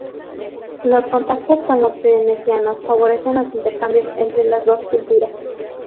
Los contactos con los venecianos favorecen los intercambios entre las dos culturas.